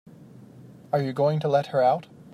Are you going to let her out?